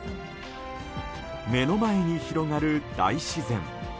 目の前に広がる大自然。